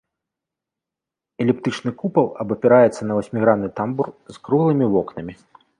Эліптычны купал абапіраецца на васьмігранны тамбур з круглымі вокнамі.